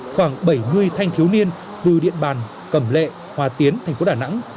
khoảng bảy mươi thanh thiếu niên từ điện bàn cẩm lệ hòa tiến thành phố đà nẵng